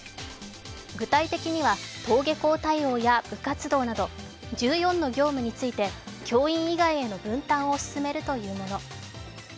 具体的には、登下校対応や部活動など１４の業務について、教員以外への分担を進めるというもの。